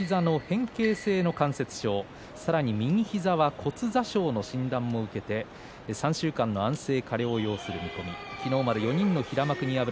両膝の変形性の関節症、さらに右膝は骨挫傷の診断を受けて３週間の安静加療を要する見込みです。